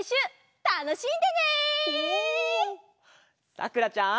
さくらちゃん。